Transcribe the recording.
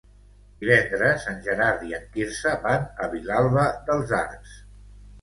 Divendres en Gerard i en Quirze van a Vilalba dels Arcs.